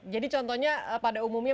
jadi contohnya pada umumnya